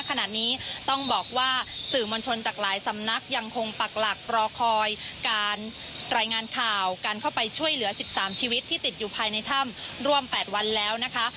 ขณะนี้ต้องบอกว่าสื่อมวลชนจากหลายสำนักยังคงปักหลักรอคอยการรายงานข่าวการเข้าไปช่วยเหลือ๑๓ชีวิตที่ติดอยู่ภายในถ้ำร่วม๘วันแล้วนะคะ